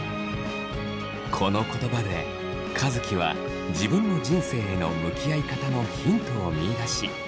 この言葉で和樹は自分の人生への向き合い方のヒントを見いだし。